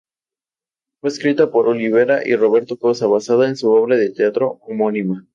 Fue escrita por Olivera y Roberto Cossa, basada en su obra de teatro homónima.